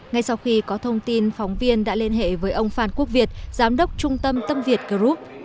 ngay sau khi có thông tin phóng viên đã liên hệ với ông phan quốc việt giám đốc trung tâm tâm việt group